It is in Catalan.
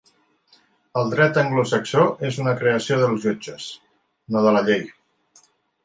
El dret anglosaxó és una creació dels jutges, no de la llei.